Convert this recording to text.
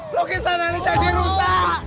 lukisan ini jadi rusak